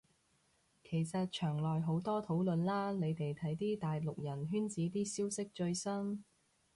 其實牆內好多討論啦，你哋睇啲大陸人圈子啲消息最新